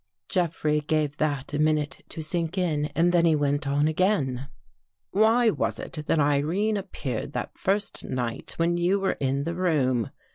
Jeffrey gave that a minute to sink in and then he went on again. " Why was it that Irene appeared that first night when you were in the room?